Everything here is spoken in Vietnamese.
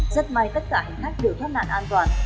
rất may tất cả hành khách đều thoát nạn an toàn